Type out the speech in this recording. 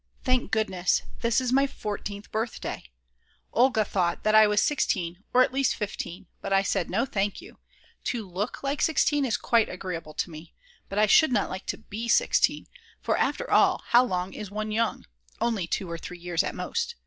Thank goodness this is my 14th!!! birthday; Olga thought that I was 16 or at least 15; but I said: No thank you; to look like 16 is quite agreeable to me, but I should not like to be 16, for after all how long is one young, only 2 or 3 years at most.